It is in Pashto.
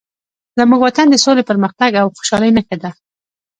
وطن زموږ د سولې، پرمختګ او خوشحالۍ نښه ده.